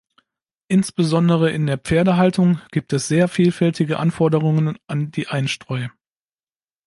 Insbesondere in der Pferdehaltung gibt es sehr vielfältige Anforderungen an die Einstreu.